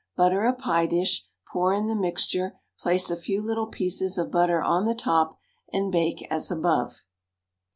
Butter a pie dish, pour in the mixture, place a few little pieces of butter on the top, and bake as above.